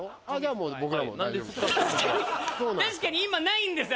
確かに今無いんですよ